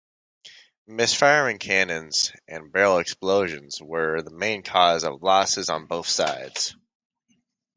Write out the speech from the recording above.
Misfiring cannons and barrel explosions were the main cause of losses on both sides.